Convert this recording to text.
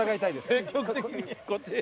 積極的にこっち？